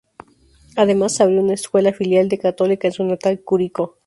Además, abrió una escuela filial de Católica en su natal Curicó.